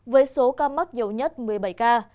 với số ca mắc nhiều nhất một mươi bảy ca